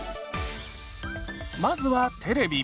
まずはテレビ。